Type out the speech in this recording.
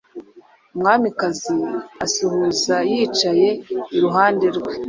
Umwamikazi asuhuza yicaye iruhande rwe